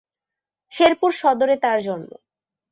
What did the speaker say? শেরপুর সদরে তার জন্ম।